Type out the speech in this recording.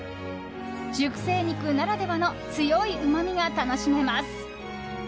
熟成肉ならではの強いうまみが楽しめます。